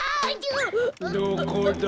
・どこだ？